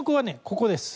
ここです。